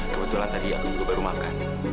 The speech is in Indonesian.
kebetulan tadi aku juga baru makan